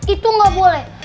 itu gak boleh